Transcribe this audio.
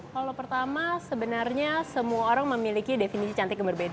kalau pertama sebenarnya semua orang memiliki definisi cantik yang berbeda